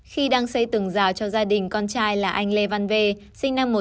khi đăng xây từng rào cho gia đình con trai là anh lê văn vê sinh năm một nghìn chín trăm chín mươi hai